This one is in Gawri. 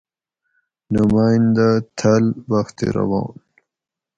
نمائندہ تھل: بخت روان